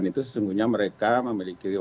itu sesungguhnya mereka memiliki